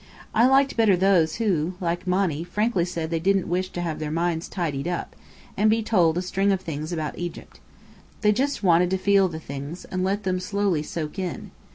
I liked better those who, like Monny, frankly said that they didn't wish to have their minds tidied up, and be told a string of things about Egypt. They just wanted to feel the things, and let them slowly soak in.